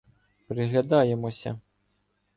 Приглядаємося.